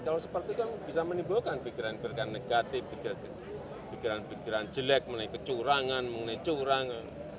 kalau seperti kan bisa menimbulkan pikiran pikiran negatif pikiran pikiran jelek mengenai kecurangan mengenai curangan